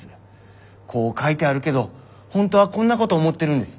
こう書いてあるけど本当はこんなこと思ってるんです。